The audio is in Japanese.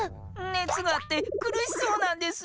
ねつがあってくるしそうなんです。